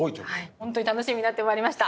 本当に楽しみになってまいりました。